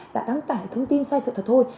là tăng tải thông tin sai sự thật thôi